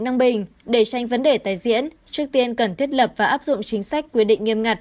năng bình để tranh vấn đề tái diễn trước tiên cần thiết lập và áp dụng chính sách quy định nghiêm ngặt